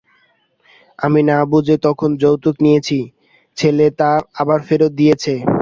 আমি না বুঝে তখন যৌতুক নিয়েছি, ছেলে তা আবার ফেরত দিয়েছে।